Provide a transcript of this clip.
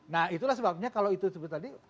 nah itulah sebabnya kalau itu disebut tadi